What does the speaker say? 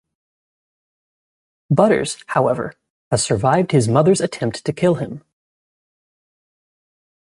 Butters, however, has survived his mother's attempt to kill him.